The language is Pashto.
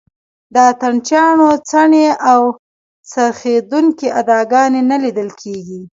د اتڼ چیانو څڼې او څرخېدونکې اداګانې نه لیدل کېږي.